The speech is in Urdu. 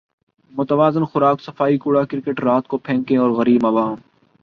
متوازن خوراک صفائی کوڑا کرکٹ رات کو پھینکیں اور غریب عوام